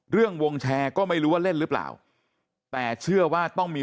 วงแชร์ก็ไม่รู้ว่าเล่นหรือเปล่าแต่เชื่อว่าต้องมี